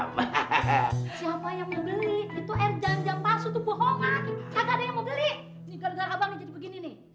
wah dia dia lagi aja ini